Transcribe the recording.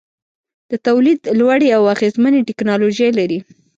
د تولید لوړې او اغیزمنې ټیکنالوجۍ لري.